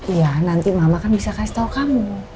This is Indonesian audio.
iya nanti mama kan bisa kasih tahu kamu